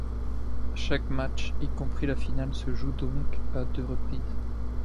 Chaque match, y compris la finale, se joue donc à deux reprises.